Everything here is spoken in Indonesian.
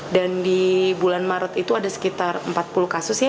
dan di bulan maret itu ada sekitar empat puluh kasus ya